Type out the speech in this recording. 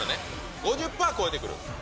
５０パー超えてくる。